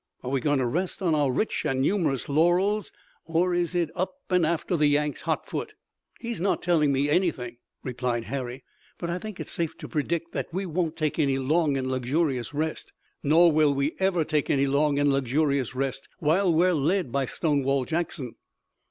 Are we going to rest on our rich and numerous laurels, or is it up and after the Yanks hot foot?" "He's not telling me anything," replied Harry, "but I think it's safe to predict that we won't take any long and luxurious rest. Nor will we ever take any long and luxurious rest while we're led by Stonewall Jackson."